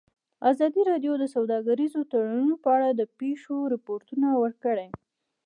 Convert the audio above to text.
ازادي راډیو د سوداګریز تړونونه په اړه د پېښو رپوټونه ورکړي.